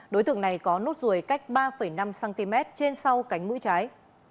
đối tượng này có nốt ruồi cách ba năm cm trên sau cánh mũi trái